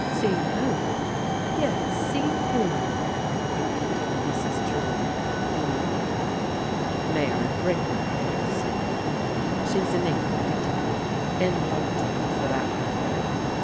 "Seen who?" " Yes, seen who ?" repeated Mrs. Trelawney, eagerly. "May I bring her here, sir? She's in England — ^iti London, for that matter."